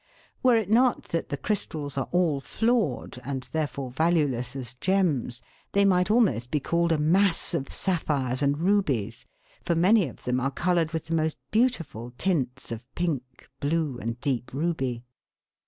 Were it not that the crystals are all flawed, and therefore valueless as gems, they might almost be called a mass of sapphires and rubies, for many of them are coloured with the most beautiful tints of pink, blue, and deep ruby.